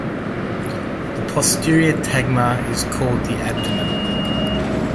The posterior tagma is called the abdomen.